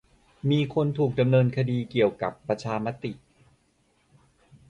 มีคนถูกดำเนินคดีเกี่ยวกับประชามติ